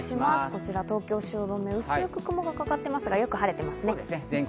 こちら東京・汐留、薄く雲がかかっていますがよく晴れていますね。